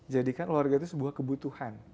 jadikan warga itu sebuah kebutuhan